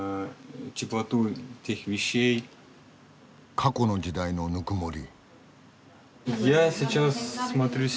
過去の時代のぬくもり。